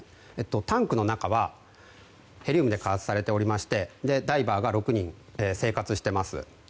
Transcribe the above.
タンクの中はヘリウムで加圧されておりましてダイバーが６人生活しています。